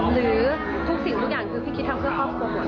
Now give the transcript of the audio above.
หรือทุกสิ่งทุกอย่างคือพี่คิดทำเพื่อครอบครัวหมด